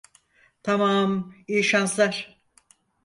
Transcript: Tamam, iyi şanslar.